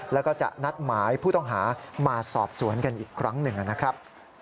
แล้วก็จะนัดหมายผู้ต้องหามาสอบสวนกันอีกครั้งหนึ่งนะครับ